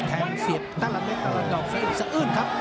แข็งเสียบตลาดเม็ดต่อดอกซีอิ่ม